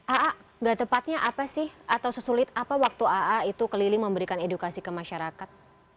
aa gak tepatnya apa sih atau sesulit apa waktu aa itu keliling memberikan edukasi ke masyarakat